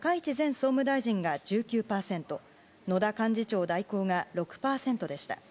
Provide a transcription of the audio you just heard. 総務大臣１９％野田幹事長代行が６％でした。